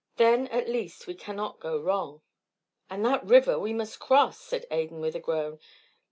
Then, at least, we cannot go wrong." "And that river we must cross!" said Adan, with a groan.